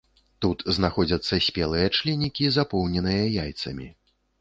Тут знаходзяцца спелыя членікі, запоўненыя яйцамі.